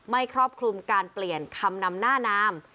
ครอบคลุมการเปลี่ยนคำนำหน้านาม